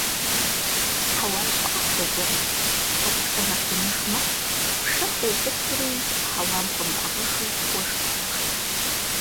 Хьэуа щӀыӀэ хуэзэрэ – ткӀуэпсхэр нэхъ иныж мэхъу, пшэр къоуфӀыцӀри, хьэуам хуэмыӀыгъыжу уэшх къошх.